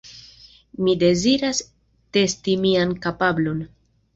Mi deziras testi mian kapablon.